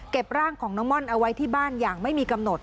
ร่างของน้องม่อนเอาไว้ที่บ้านอย่างไม่มีกำหนด